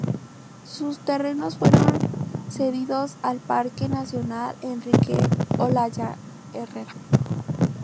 Sus terrenos fueron cedidos al Parque nacional Enrique Olaya Herrera.